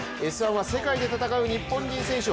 「Ｓ☆１」は世界で戦う日本人選手